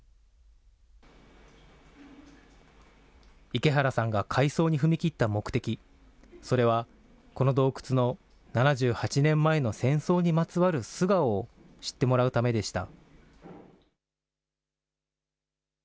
池原さんが改装に踏み切った目的、それは、この洞窟の７８年前の戦争にまつわる素顔を知ってもらうためでした。